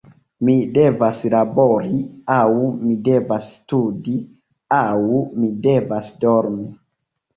Mi devas labori, aŭ mi devas studi, aŭ mi devas dormi.